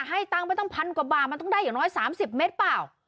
ให้ตังค์ไปตั้งพันกว่าบาทมันต้องได้อย่างน้อย๓๐เมตรเปล่า